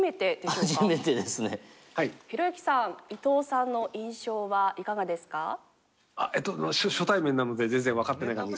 ひろゆきさん伊藤さんの印象はいかがですか？